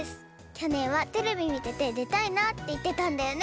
きょねんはテレビみててでたいなっていってたんだよね。